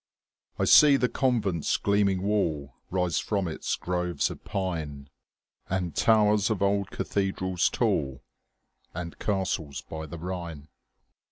I see the convent's gleaming wall Rise from its groves of pine, And towers of old cathedrals tall, And castles by the Rhine.